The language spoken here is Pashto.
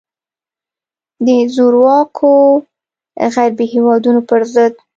د زورواکو غربي هیوادونو پر ضد.